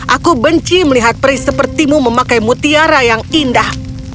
aku benci melihat peri sepertimu memakai mutiara yang indah